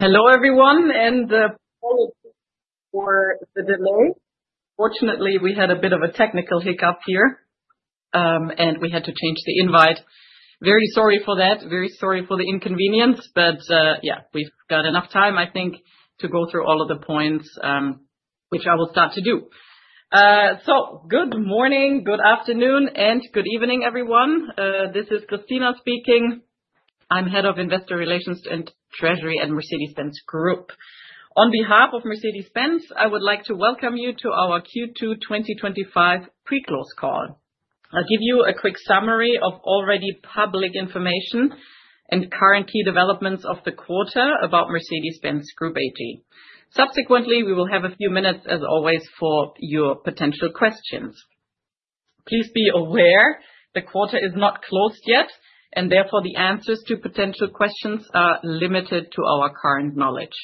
Hello, everyone, and apologies for the delay. Fortunately, we had a bit of a technical hiccup here, and we had to change the invite. Very sorry for that, very sorry for the inconvenience, but yeah, we've got enough time, I think, to go through all of the points, which I will start to do. Good morning, good afternoon, and good evening, everyone. This is Christina speaking. I'm Head of Investor Relations and Treasury at Mercedes-Benz Group. On behalf of Mercedes-Benz, I would like to welcome you to our Q2 2025 pre-close call. I'll give you a quick summary of already public information and current key developments of the quarter about Mercedes-Benz Group AG. Subsequently, we will have a few minutes, as always, for your potential questions. Please be aware, the quarter is not closed yet, and therefore the answers to potential questions are limited to our current knowledge.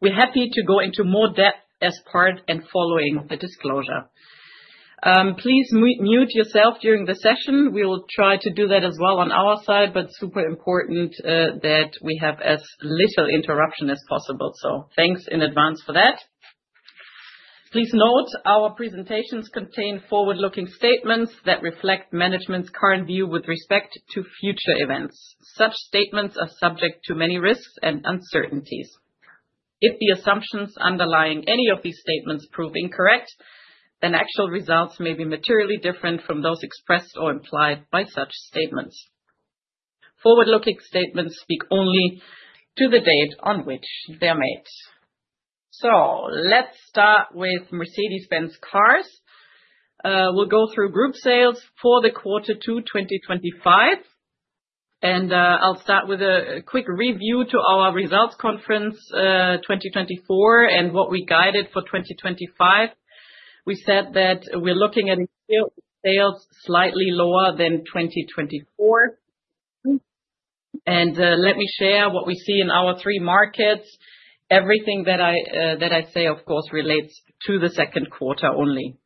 We're happy to go into more depth as part and following the disclosure. Please mute yourself during the session. We will try to do that as well on our side, but super important that we have as little interruption as possible. Thanks in advance for that. Please note our presentations contain forward-looking statements that reflect management's current view with respect to future events. Such statements are subject to many risks and uncertainties. If the assumptions underlying any of these statements prove incorrect, then actual results may be materially different from those expressed or implied by such statements. Forward-looking statements speak only to the date on which they're made. Let's start with Mercedes-Benz cars. We'll go through group sales for the quarter two 2025. I'll start with a quick review to our results conference 2024 and what we guided for 2025. We said that we're looking at sales slightly lower than 2024. Let me share what we see in our three markets. Everything that I say, of course, relates to the second quarter only.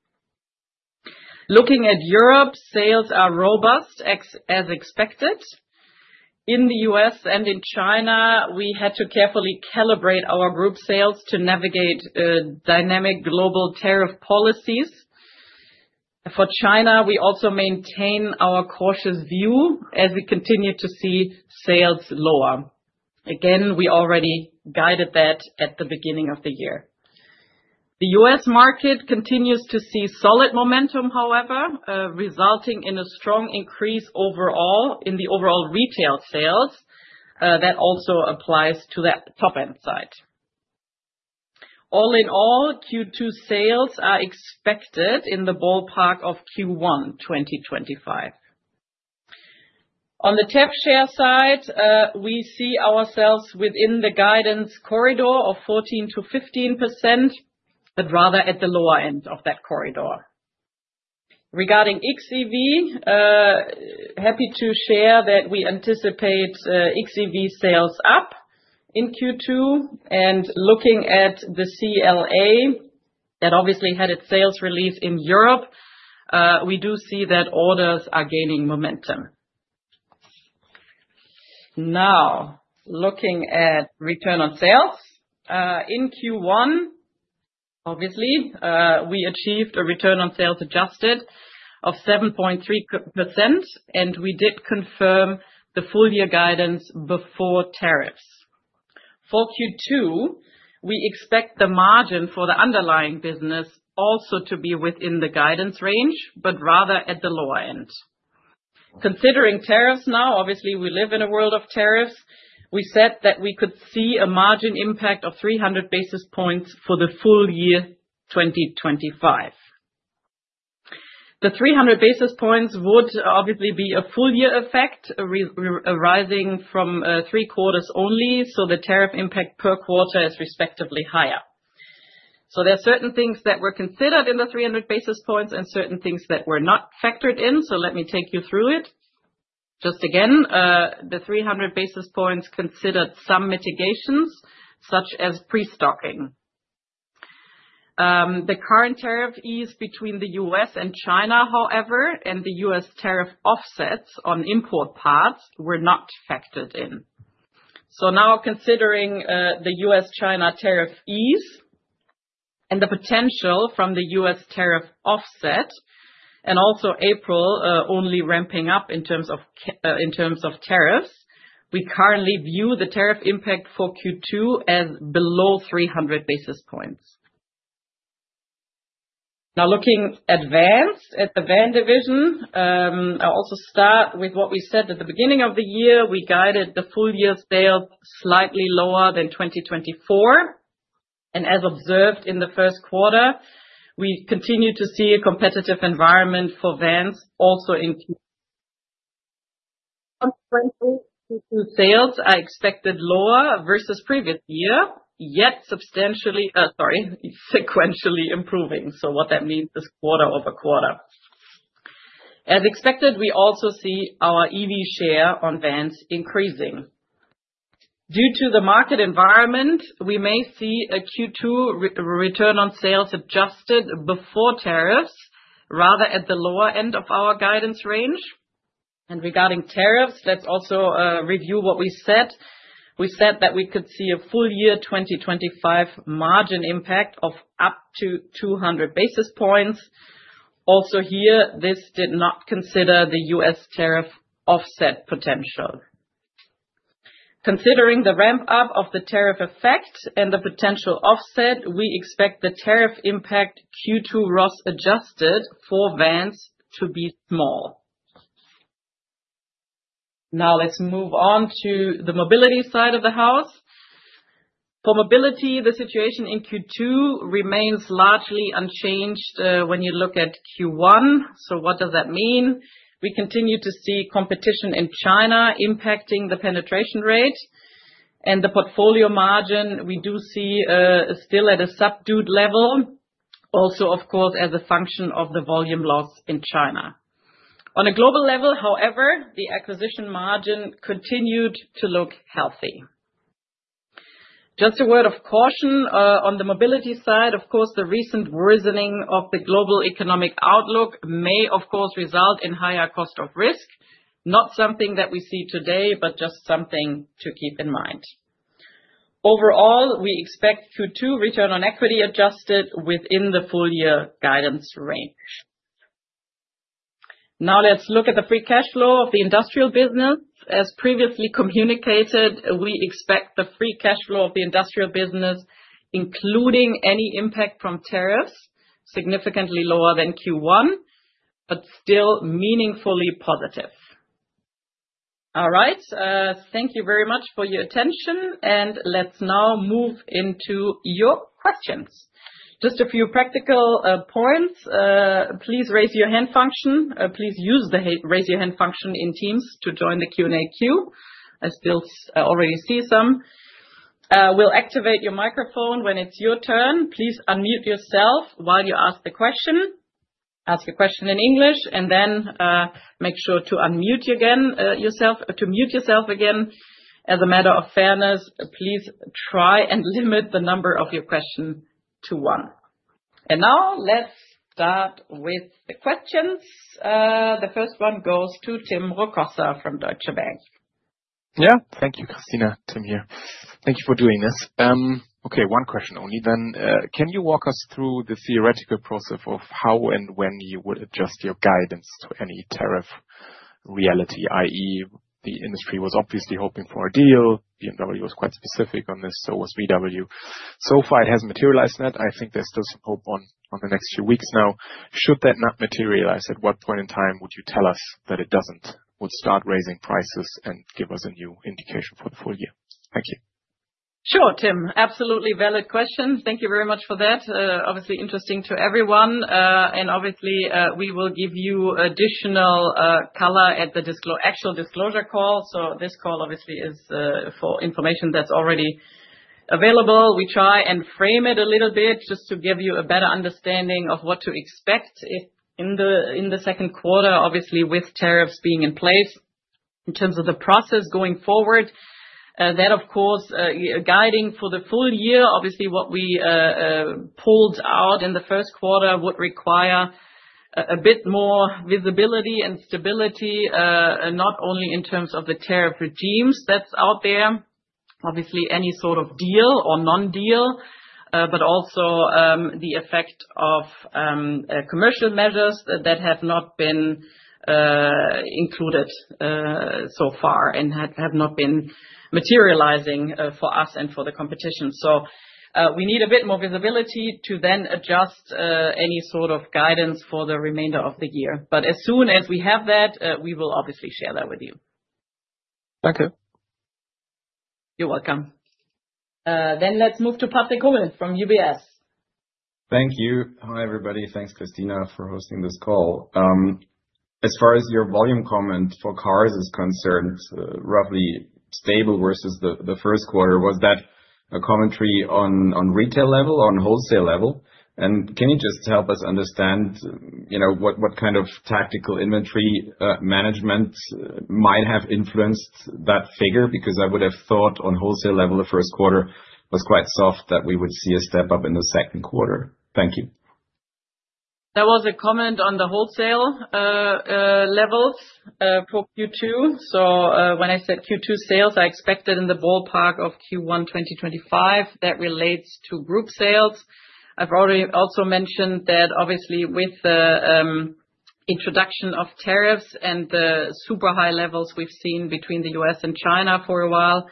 Looking at Europe, sales are robust as expected. In the U.S. and in China, we had to carefully calibrate our group sales to navigate dynamic global tariff policies. For China, we also maintain our cautious view as we continue to see sales lower. Again, we already guided that at the beginning of the year. The U.S. market continues to see solid momentum, however, resulting in a strong increase overall in the overall retail sales. That also applies to the top-end side. All in all, Q2 sales are expected in the ballpark of Q1 2025. On the TEF share side, we see ourselves within the guidance corridor of 14%-15%, but rather at the lower end of that corridor. Regarding XEV, happy to share that we anticipate XEV sales up in Q2. Looking at the CLA that obviously had its sales release in Europe, we do see that orders are gaining momentum. Now, looking at return on sales, in Q1, obviously, we achieved a return on sales adjusted of 7.3%, and we did confirm the full year guidance before tariffs. For Q2, we expect the margin for the underlying business also to be within the guidance range, but rather at the lower end. Considering tariffs now, obviously, we live in a world of tariffs. We said that we could see a margin impact of 300 basis points for the full year 2025. The 300 basis points would obviously be a full year effect, arising from three quarters only, so the tariff impact per quarter is respectively higher. There are certain things that were considered in the 300 basis points and certain things that were not factored in. Let me take you through it. Just again, the 300 basis points considered some mitigations such as pre-stocking. The current tariff ease between the U.S. and China, however, and the U.S. tariff offsets on import parts were not factored in. Now considering the U.S.-China tariff ease and the potential from the U.S. tariff offset and also April only ramping up in terms of tariffs, we currently view the tariff impact for Q2 as below 300 basis points. Now, looking at advanced at the van division, I'll also start with what we said at the beginning of the year. We guided the full year sales slightly lower than 2024. As observed in the first quarter, we continue to see a competitive environment for vans also in Q2. Sales are expected lower versus previous year, yet sequentially improving. What that means is quarter over quarter. As expected, we also see our EV share on vans increasing. Due to the market environment, we may see a Q2 return on sales adjusted before tariffs, rather at the lower end of our guidance range. Regarding tariffs, let's also review what we said. We said that we could see a full year 2025 margin impact of up to 200 basis points. Also here, this did not consider the U.S. tariff offset potential. Considering the ramp-up of the tariff effect and the potential offset, we expect the tariff impact Q2 return on sales adjusted for vans to be small. Now, let's move on to the mobility side of the house. For mobility, the situation in Q2 remains largely unchanged when you look at Q1. What does that mean? We continue to see competition in China impacting the penetration rate. The portfolio margin, we do see still at a subdued level, also, of course, as a function of the volume loss in China. On a global level, however, the acquisition margin continued to look healthy. Just a word of caution on the mobility side. Of course, the recent worsening of the global economic outlook may, of course, result in higher cost of risk, not something that we see today, but just something to keep in mind. Overall, we expect Q2 return on equity adjusted within the full year guidance range. Now, let's look at the free cash flow of the industrial business. As previously communicated, we expect the free cash flow of the industrial business, including any impact from tariffs, significantly lower than Q1, but still meaningfully positive. All right. Thank you very much for your attention. Let's now move into your questions. Just a few practical points. Please use the raise your hand function in Teams to join the Q&A queue. I already see some. We will activate your microphone when it is your turn. Please unmute yourself while you ask the question. Ask a question in English and then make sure to mute yourself again. As a matter of fairness, please try and limit the number of your questions to one. Now let's start with the questions. The first one goes to Tim Rokossa from Deutsche Bank. Yeah, thank you, Christina. Tim here. Thank you for doing this. Okay, one question only then. Can you walk us through the theoretical process of how and when you would adjust your guidance to any tariff reality, i.e., the industry was obviously hoping for a deal. BMW was quite specific on this, so was VW. So far, it hasn't materialized yet. I think there's still some hope on the next few weeks now. Should that not materialize, at what point in time would you tell us that it doesn't, would start raising prices and give us a new indication for the full year? Thank you. Sure, Tim. Absolutely valid question. Thank you very much for that. Obviously interesting to everyone. Obviously, we will give you additional color at the actual disclosure call. This call obviously is for information that is already available. We try and frame it a little bit just to give you a better understanding of what to expect in the second quarter, obviously with tariffs being in place in terms of the process going forward. That, of course, guiding for the full year, obviously what we pulled out in the first quarter would require a bit more visibility and stability, not only in terms of the tariff regimes that are out there, obviously any sort of deal or non-deal, but also the effect of commercial measures that have not been included so far and have not been materializing for us and for the competition. We need a bit more visibility to then adjust any sort of guidance for the remainder of the year. As soon as we have that, we will obviously share that with you. Thank you. You're welcome. Let's move to Patrick Hummel from UBS. Thank you. Hi, everybody. Thanks, Christina, for hosting this call. As far as your volume comment for cars is concerned, roughly stable versus the first quarter, was that a commentary on retail level, on wholesale level? Can you just help us understand what kind of tactical inventory management might have influenced that figure? I would have thought on wholesale level, the first quarter was quite soft that we would see a step up in the second quarter. Thank you. That was a comment on the wholesale levels for Q2. When I said Q2 sales, I expected in the ballpark of Q1 2025, that relates to group sales. I have already also mentioned that obviously with the introduction of tariffs and the super high levels we have seen between the U.S. and China for a while,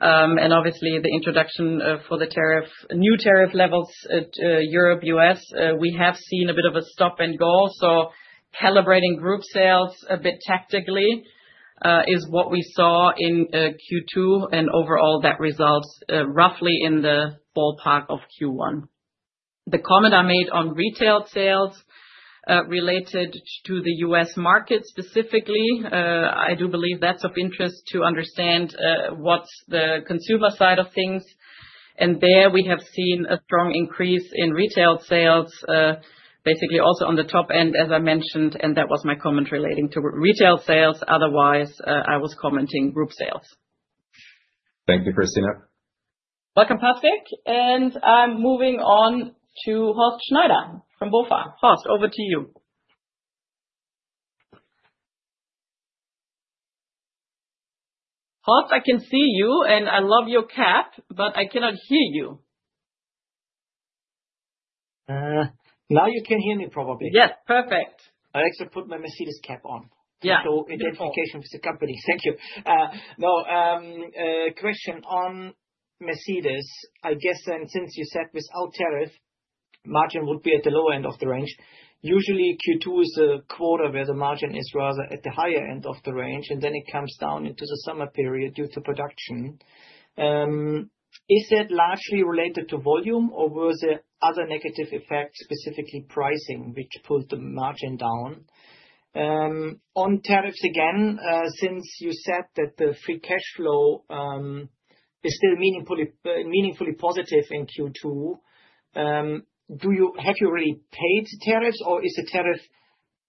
and obviously the introduction for the new tariff levels at Europe-U.S., we have seen a bit of a stop and go. Calibrating group sales a bit tactically is what we saw in Q2, and overall that results roughly in the ballpark of Q1. The comment I made on retail sales related to the U.S. market specifically. I do believe that is of interest to understand what is the consumer side of things. There we have seen a strong increase in retail sales, basically also on the top end, as I mentioned, and that was my comment relating to retail sales. Otherwise, I was commenting group sales. Thank you, Christina. Welcome, Patrick. I am moving on to Horst Schneider from BofA. Horst, over to you. Horst, I can see you and I love your cap, but I cannot hear you. Now you can hear me probably. Yes, perfect. I actually put my Mercedes cap on. Yeah. Identification for the company. Thank you. Now, question on Mercedes, I guess since you said without tariff, margin would be at the lower end of the range. Usually Q2 is a quarter where the margin is rather at the higher end of the range, and then it comes down into the summer period due to production. Is that largely related to volume or was there other negative effects, specifically pricing, which pulled the margin down? On tariffs again, since you said that the free cash flow is still meaningfully positive in Q2, have you already paid tariffs or is the tariff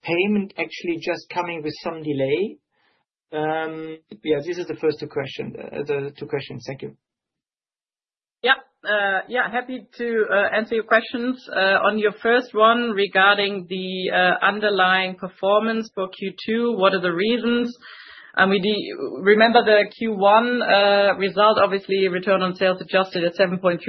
payment actually just coming with some delay? Yeah, this is the first two questions. Thank you. Yeah. Yeah, happy to answer your questions. On your first one regarding the underlying performance for Q2, what are the reasons? Remember the Q1 result, obviously return on sales adjusted at 7.3%.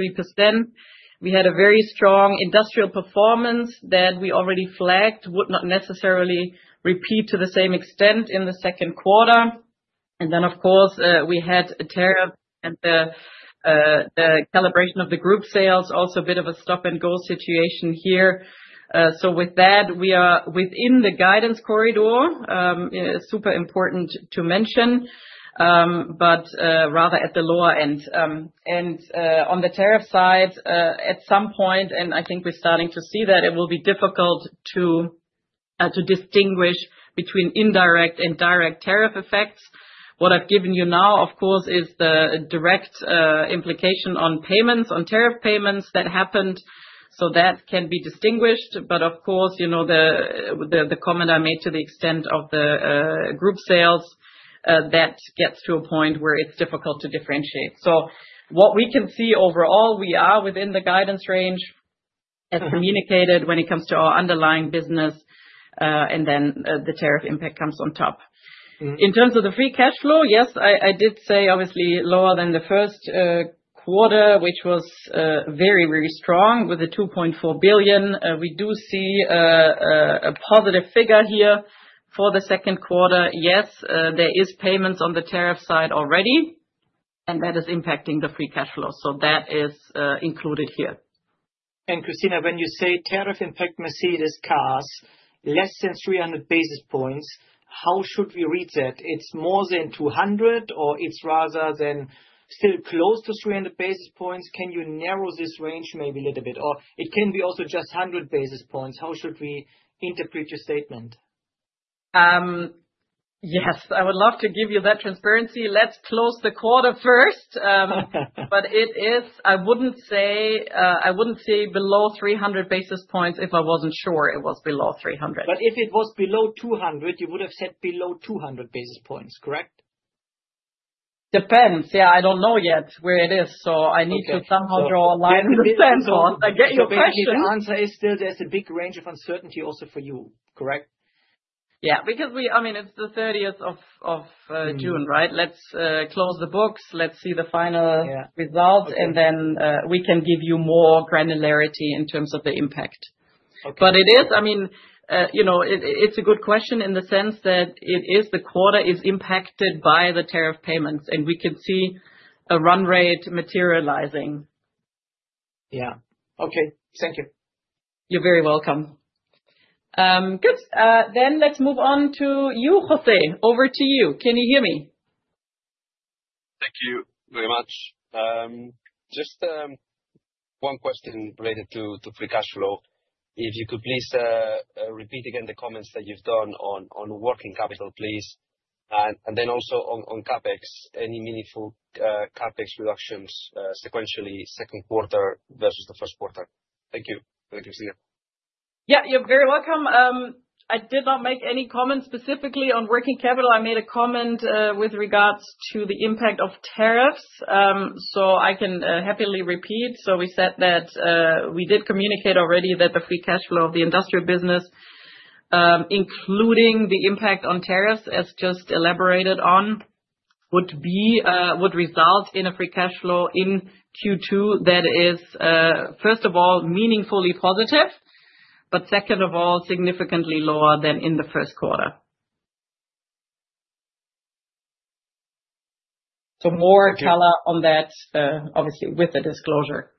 We had a very strong industrial performance that we already flagged would not necessarily repeat to the same extent in the second quarter. Of course, we had a tariff and the calibration of the group sales, also a bit of a stop and go situation here. With that, we are within the guidance corridor. Super important to mention, but rather at the lower end. On the tariff side, at some point, and I think we're starting to see that it will be difficult to distinguish between indirect and direct tariff effects. What I've given you now, of course, is the direct implication on payments, on tariff payments that happened. That can be distinguished. Of course, the comment I made to the extent of the group sales, that gets to a point where it's difficult to differentiate. What we can see overall, we are within the guidance range as communicated when it comes to our underlying business, and then the tariff impact comes on top. In terms of the free cash flow, yes, I did say obviously lower than the first quarter, which was very, very strong with $2.4 billion. We do see a positive figure here for the second quarter. Yes, there are payments on the tariff side already, and that is impacting the free cash flow. That is included here. Christina, when you say tariff impact Mercedes cars, less than 300 basis points, how should we read that? It's more than 200 or it's rather than still close to 300 basis points? Can you narrow this range maybe a little bit? Or it can be also just 100 basis points. How should we interpret your statement? Yes, I would love to give you that transparency. Let's close the quarter first. It is, I wouldn't say below 300 basis points if I wasn't sure it was below 300. If it was below 200, you would have said below 200 basis points, correct? Depends. Yeah, I don't know yet where it is. I need to somehow draw a line with this response. I get your question. The answer is still there's a big range of uncertainty also for you, correct? Yeah, because we, I mean, it's the 30th of June, right? Let's close the books. Let's see the final result, and then we can give you more granularity in terms of the impact. It is, I mean, it's a good question in the sense that it is the quarter is impacted by the tariff payments, and we can see a run rate materializing. Yeah. Okay. Thank you. You're very welcome. Good. Let's move on to you, José. Over to you. Can you hear me? Thank you very much. Just one question related to free cash flow. If you could please repeat again the comments that you've done on working capital, please. And then also on CapEx, any meaningful CapEx reductions sequentially second quarter versus the first quarter. Thank you. Thank you, Christina. Yeah, you're very welcome. I did not make any comment specifically on working capital. I made a comment with regards to the impact of tariffs. I can happily repeat. We said that we did communicate already that the free cash flow of the industrial business, including the impact on tariffs as just elaborated on, would result in a free cash flow in Q2 that is, first of all, meaningfully positive, but, second of all, significantly lower than in the first quarter. More color on that, obviously with the disclosure.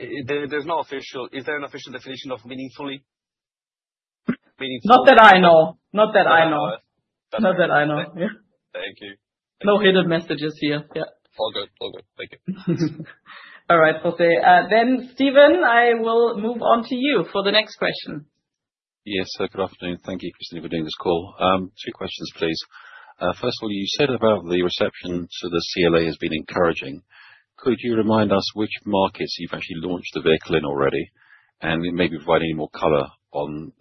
Is there an official definition of meaningfully? Not that I know. Thank you. No hidden messages here. Yeah. All good. All good. Thank you. All right, José. Steven, I will move on to you for the next question. Yes, good afternoon. Thank you, Christina, for doing this call. Two questions, please. First of all, you said about the reception to the CLA has been encouraging. Could you remind us which markets you have actually launched the vehicle in already? Maybe provide any more color on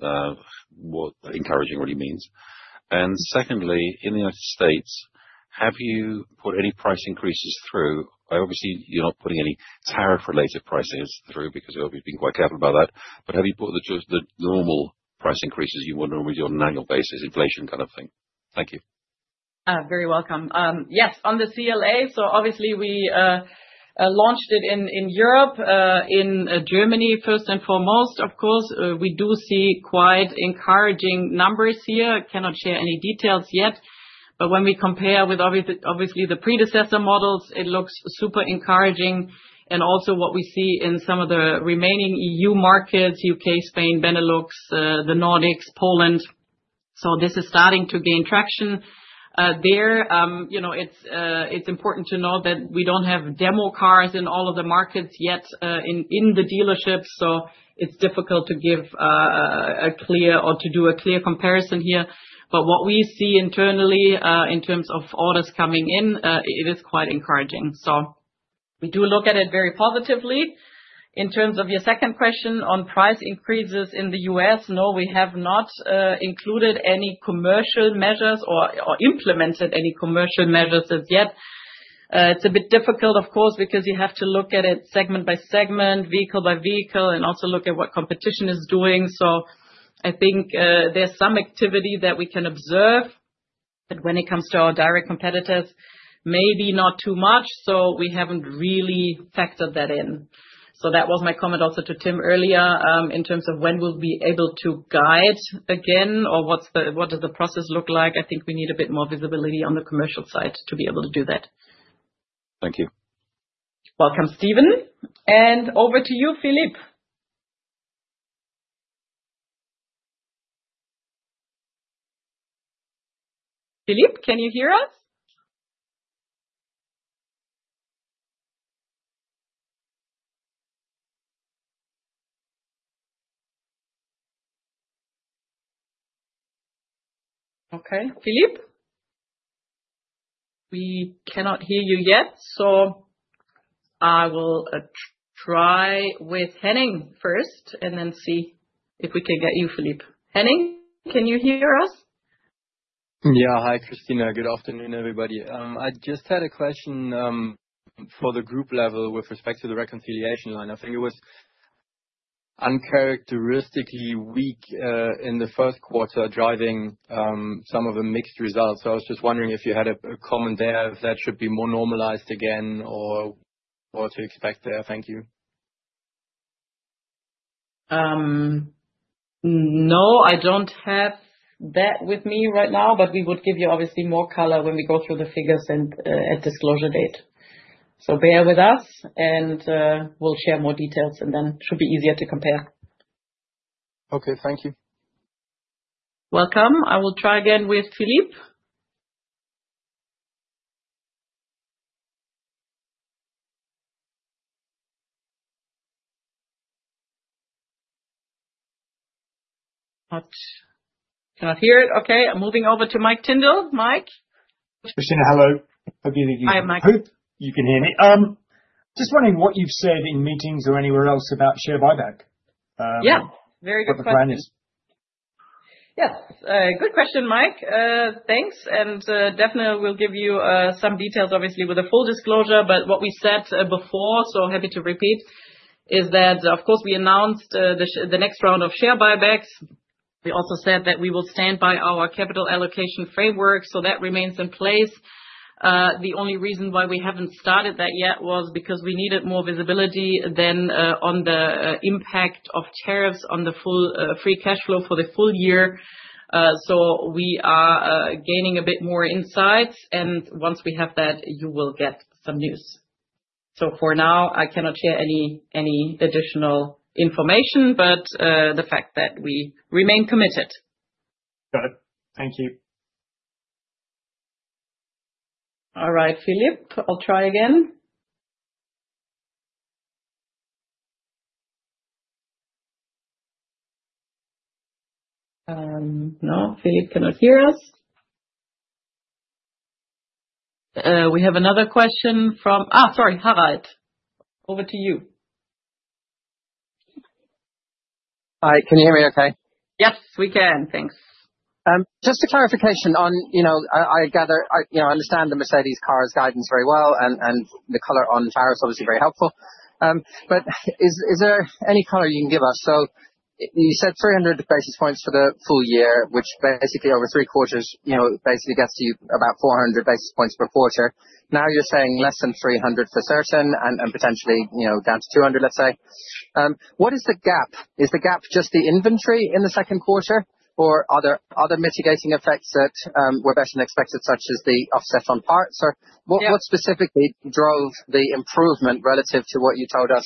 what encouraging really means. Secondly, in the United States, have you put any price increases through? Obviously, you are not putting any tariff-related prices through because you have always been quite careful about that. Have you put the normal price increases you would normally do on an annual basis, inflation kind of thing? Thank you. Very welcome. Yes, on the CLA. Obviously we launched it in Europe, in Germany first and foremost, of course. We do see quite encouraging numbers here. Cannot share any details yet. When we compare with the predecessor models, it looks super encouraging. Also, what we see in some of the remaining EU markets, U.K., Spain, Benelux, the Nordics, Poland. This is starting to gain traction there. It is important to note that we do not have demo cars in all of the markets yet in the dealerships. It is difficult to give a clear or to do a clear comparison here. What we see internally in terms of orders coming in, it is quite encouraging. We do look at it very positively. In terms of your second question on price increases in the U.S., no, we have not included any commercial measures or implemented any commercial measures as yet. It is a bit difficult, of course, because you have to look at it segment by segment, vehicle by vehicle, and also look at what competition is doing. I think there is some activity that we can observe, but when it comes to our direct competitors, maybe not too much. We have not really factored that in. That was my comment also to Tim earlier in terms of when we will be able to guide again or what does the process look like. I think we need a bit more visibility on the commercial side to be able to do that. Thank you. Welcome, Steven. Over to you, Philippe. Philippe, can you hear us? Okay, Philippe. We cannot hear you yet. I will try with Henning first and then see if we can get you, Philippe. Henning, can you hear us? Yeah. Hi, Christina. Good afternoon, everybody. I just had a question for the group level with respect to the reconciliation line. I think it was uncharacteristically weak in the first quarter, driving some of the mixed results. I was just wondering if you had a comment there if that should be more normalized again or what to expect there. Thank you. No, I don't have that with me right now, but we would give you obviously more color when we go through the figures at disclosure date. Bear with us and we'll share more details and then it should be easier to compare. Okay. Thank you. Welcome. I will try again with Philippe. Cannot hear it. Okay. I'm moving over to Mike Tindall. Mike. Christina, hello. Hope you can hear me. Hi, Mike. You can hear me. Just wondering what you've said in meetings or anywhere else about share buyback. Yeah. Very good question. What the plan is. Yes. Good question, Mike. Thanks. Definitely we'll give you some details, obviously, with a full disclosure, but what we said before, so happy to repeat, is that, of course, we announced the next round of share buybacks. We also said that we will stand by our capital allocation framework, so that remains in place. The only reason why we have not started that yet was because we needed more visibility then on the impact of tariffs on the full free cash flow for the full year. We are gaining a bit more insights. Once we have that, you will get some news. For now, I cannot share any additional information, but the fact that we remain committed. Got it. Thank you. All right, Philippe. I'll try again. No, Philippe cannot hear us. We have another question from, sorry, Oswald Harald. Over to you. Hi. Can you hear me okay? Yes, we can. Thanks. Just a clarification on, I understand the Mercedes cars guidance very well and the color on tariffs, obviously very helpful. Is there any color you can give us? You said 300 basis points for the full year, which basically over three quarters basically gets you about 400 basis points per quarter. Now you're saying less than 300 for certain and potentially down to 200, let's say. What is the gap? Is the gap just the inventory in the second quarter or are there other mitigating effects that were better than expected, such as the offset on parts? What specifically drove the improvement relative to what you told us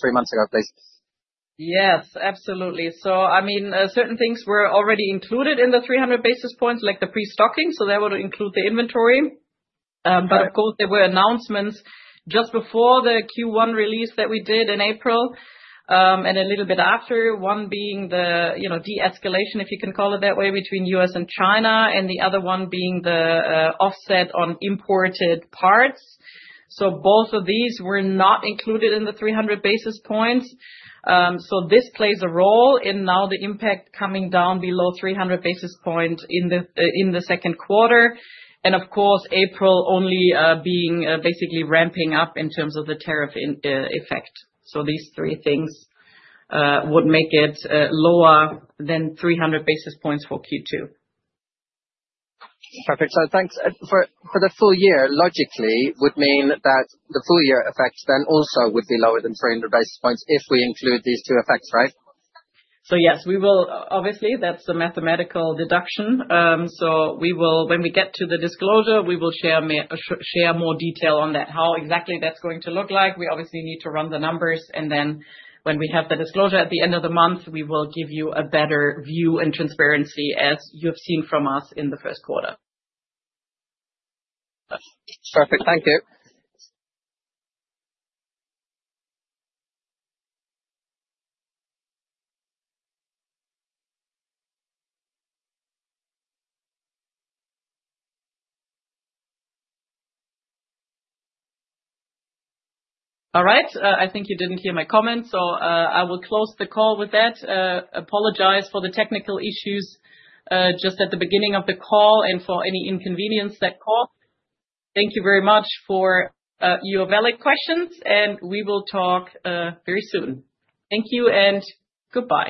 three months ago, please? Yes, absolutely. I mean, certain things were already included in the 300 basis points, like the pre-stocking, so that would include the inventory. Of course, there were announcements just before the Q1 release that we did in April and a little bit after, one being the de-escalation, if you can call it that way, between U.S. and China, and the other one being the offset on imported parts. Both of these were not included in the 300 basis points. This plays a role in now the impact coming down below 300 basis points in the second quarter. Of course, April only being basically ramping up in terms of the tariff effect. These three things would make it lower than 300 basis points for Q2. Perfect. Thanks. For the full year, logically, would mean that the full year effects then also would be lower than 300 basis points if we include these two effects, right? Yes, we will. Obviously, that's a mathematical deduction. When we get to the disclosure, we will share more detail on that, how exactly that's going to look like. We obviously need to run the numbers. When we have the disclosure at the end of the month, we will give you a better view and transparency as you have seen from us in the first quarter. Perfect. Thank you. All right. I think you did not hear my comment. I will close the call with that. Apologize for the technical issues just at the beginning of the call and for any inconvenience that caused. Thank you very much for your valid questions, and we will talk very soon. Thank you and goodbye.